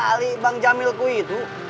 kasian kali bang jamilku itu